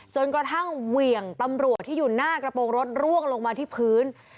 จนกระทั่งเหวี่ยงตำรวจที่อยู่หน้ากระโปรงรถร่วงลงมาที่พื้น